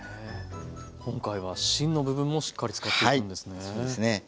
今回は芯の部分もしっかり使っていくんですね。